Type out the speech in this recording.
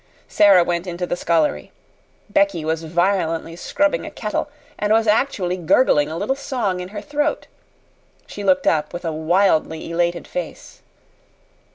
Sara went into the scullery. Becky was violently scrubbing a kettle, and was actually gurgling a little song in her throat. She looked up with a wildly elated face.